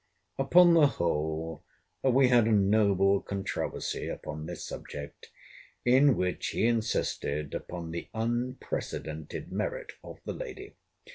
Upon the whole, we had a noble controversy upon this subject, in which he insisted upon the unprecedented merit of the lady.